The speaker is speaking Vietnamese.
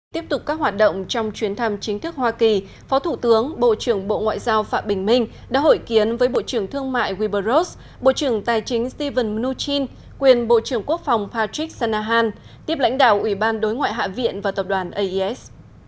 tiếp tục các hoạt động trong chuyến thăm chính thức hoa kỳ phó thủ tướng bộ trưởng bộ ngoại giao phạm bình minh đã hội kiến với bộ trưởng thương mại weber rose bộ trưởng tài chính stephen mnuchin quyền bộ trưởng quốc phòng patrick sanahan tiếp lãnh đạo ủy ban đối ngoại hạ viện và tập đoàn ais